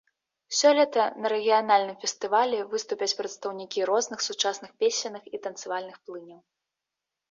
Сёлета на рэгіянальным фестывалі выступяць прадстаўнікі розных сучасных песенных і танцавальных плыняў.